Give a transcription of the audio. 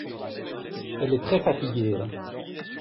Elle est très fatiguée.